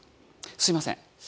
すみません。